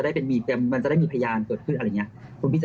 ได้เป็นมีเต็มมันจะได้มีใครย่านเกิดมีอะไรเนี้ยคุณจะ